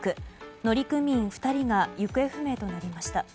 乗組員２人が行方不明となりました。